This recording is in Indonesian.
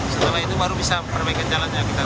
setelah itu baru bisa perbaikan jalannya